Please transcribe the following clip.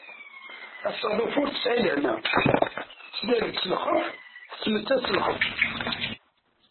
Asaḍuf ur tesεi lehna, tettlal-d s lxeff, tettmettat s lxeff.